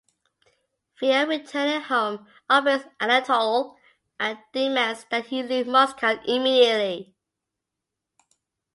Pierre, returning home, upbraids Anatole and demands that he leave Moscow immediately.